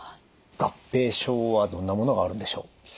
合併症はどんなものがあるんでしょう？